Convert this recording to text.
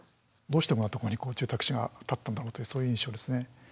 どうしてこんなとこに住宅地が建ったんだろうというそういう印象ですね。